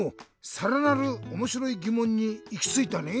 さらなるおもしろいぎもんにいきついたね。